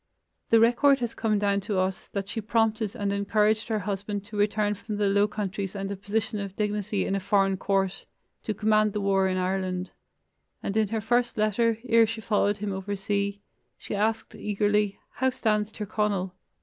The record has come down to us that she prompted and encouraged her husband to return from the low countries and a position of dignity in a foreign court to command the war in Ireland, and in her first letter, ere she followed him over sea, she asked eagerly: "How stands Tir Conal?"